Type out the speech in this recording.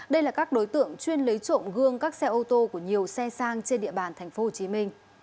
đây là các đối tượng chuyên lấy trộm gương các xe ô tô của nhiều xe sang trên địa bàn tp hcm